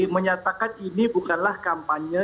menyatakan ini bukanlah kampanye